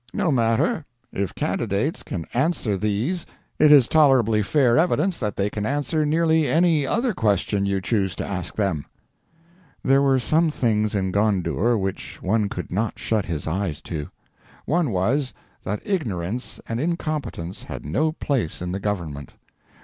"No matter; if candidates can answer these it is tolerably fair evidence that they can answer nearly any other question you choose to ask them." There were some things in Gondour which one could not shut his eyes to. One was, that ignorance and incompetence had no place in the government.